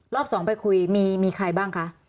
รอบสองไปคุยมีใครบ้างคะ